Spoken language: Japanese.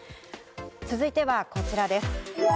続いてはこちらです。